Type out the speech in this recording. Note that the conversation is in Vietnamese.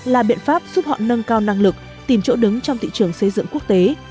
là biện pháp giúp họ nâng cao năng lực tìm chỗ đứng trong thị trường xây dựng quốc tế